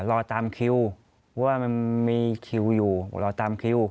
รอตามคิวเพราะว่ามันมีคิวอยู่รอตามคิว